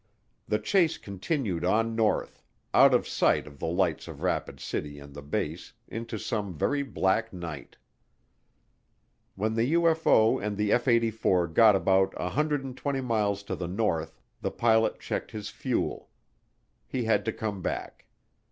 The chase continued on north out of sight of the lights of Rapid City and the base into some very black night. When the UFO and the F 84 got about 120 miles to the north, the pilot checked his fuel; he had to come back.